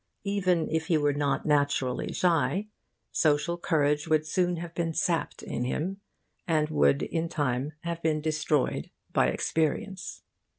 Even if he were not naturally shy, social courage would soon have been sapped in him, and would in time have been destroyed, by experience.